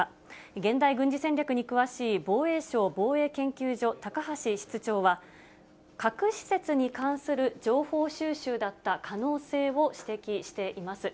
現代軍事戦略に詳しい、防衛省防衛研究所、高橋室長は、核施設に関する情報収集だった可能性を指摘しています。